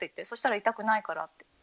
そしたら痛くないからって。